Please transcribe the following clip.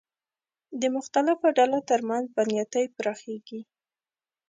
د مختلفو ډلو تر منځ بدنیتۍ پراخېږي